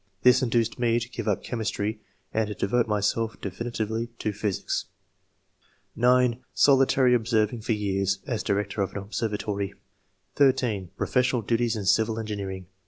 This induced me to give up chemistry, and to devote myself definitively to physica (9) Solitary observing for years [as director of an observatory]. (13) Professional duties and civil engineering